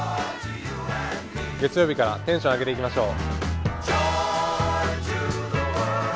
月曜日からテンション上げていきましょう。